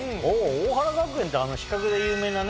大原学園って資格で有名なね。